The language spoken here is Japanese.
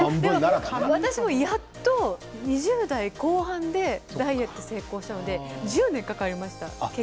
私も２０代後半でダイエット成功したので１０年かかりました。